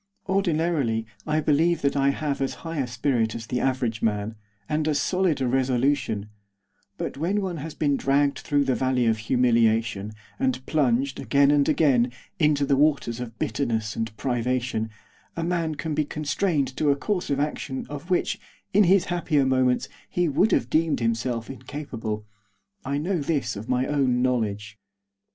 Ordinarily I believe that I have as high a spirit as the average man, and as solid a resolution; but when one has been dragged through the Valley of Humiliation, and plunged, again and again, into the Waters of Bitterness and Privation, a man can be constrained to a course of action of which, in his happier moments, he would have deemed himself incapable. I know this of my own knowledge.